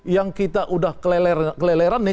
yang kita udah keleleran nih